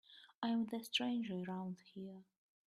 I'm the stranger around here.